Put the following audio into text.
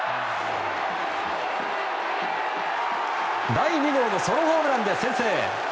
第２号のソロホームランで先制！